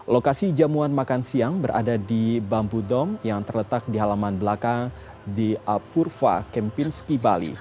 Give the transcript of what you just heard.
lokasi jamuan makan siang berada di bambu dom yang terletak di halaman belakang di apurva kempinski bali